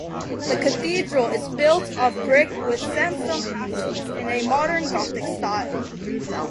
The cathedral is built of brick with sandstone accents in a modern gothic style.